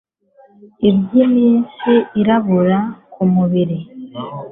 ibyimitsi irabura ku mubiri